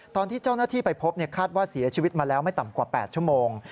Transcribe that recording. ตอนที่เจ้าหน้าที่ไปพบคาดว่าเสียชีวิตมาแล้วไม่ต่ำกว่า๘ชั่วโมง